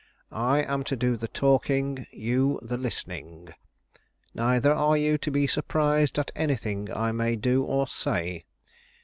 I am to do the talking; you the listening. Neither are you to be surprised at anything I may do or say.